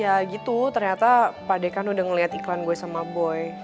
ya gitu ternyata pak dekan udah ngeliat iklan gue sama boy